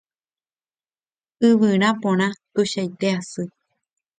Yvyra porã tuichaite asy